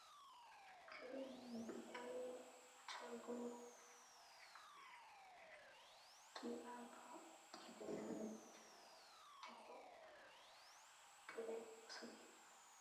춘우는 고개를 쳐들고 기막히다는 듯이 크게 웃었다.